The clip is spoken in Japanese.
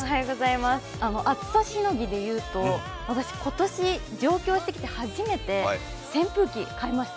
暑さしのぎでいうと、私今年上京してきて初めて扇風機、買いました。